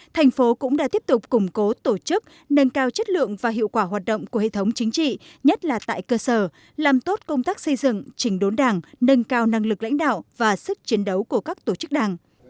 thành phố cũng đã tiếp tục củng cố tổ chức nâng cao chất lượng và hiệu quả hoạt động của hệ thống chính trị nhất là tại cơ sở làm tốt công tác xây dựng trình đốn đảng nâng cao năng lực lãnh đạo và sức chiến đấu của các tổ chức đảng